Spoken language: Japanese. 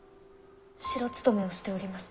城勤めをしております